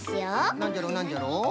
なんじゃろうなんじゃろう？